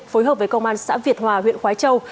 phối hợp với công an xã việt hòa huyện khói châu